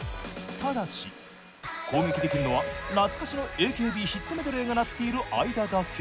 ただし攻撃できるのは懐かしのＡＫＢヒットメドレーが鳴っている間だけ。